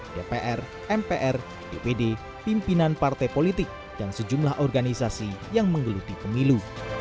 dpr mpr dpd pimpinan partai politik dan sejumlah organisasi yang menggeluti pemilu